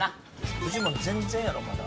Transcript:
フジモン全然やろまだ。